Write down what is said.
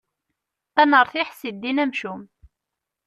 Ad nertiḥ si ddin amcum.